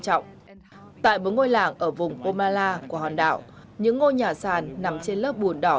trọng tại một ngôi làng ở vùng pomala của hòn đảo những ngôi nhà sàn nằm trên lớp bùn đỏ